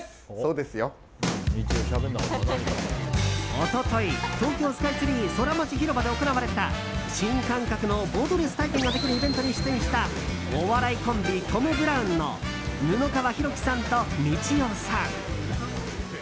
一昨日、東京スカイツリーソラマチひろばで行われた新感覚のボートレース体験ができるイベントに出演したお笑いコンビ、トム・ブラウンの布川ひろきさんとみちおさん。